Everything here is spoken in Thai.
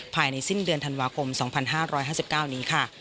ภายในสิ้นเดือนธันวาคม๒๕๕๙นี้ค่ะ